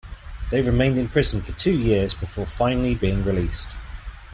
They remained in prison for two years before finally being released.